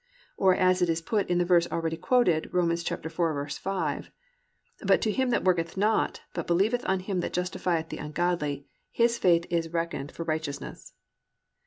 "+ Or, as it is put in the verse already quoted, Rom. 4:5, +"But to him that worketh not, but believeth on him that justifieth the ungodly, his faith is reckoned for righteousness."